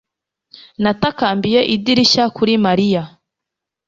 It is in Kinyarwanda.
Natakambiye idirishya kuri Mariya